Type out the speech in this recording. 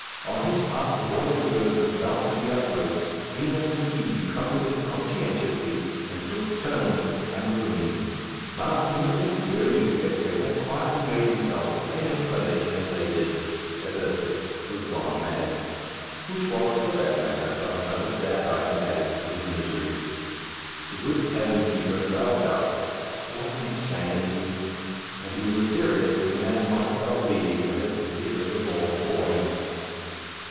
On his part the boy exerted himself to the utmost. Vinos and Fibi trumpeted conscientiously, and took turns with the tambourine. Master Nicless, the only spectator, quietly made himself the same explanation as they did that Ursus was gone mad; which was, for that matter, but another sad item added to his misery. The good tavern keeper growled out, "What insanity!" And he was serious as a man might well be who has the fear of the law before him.